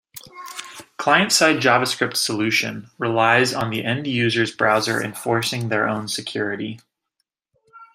Client-side JavaScript solution relies on the end-user's browser enforcing their own security.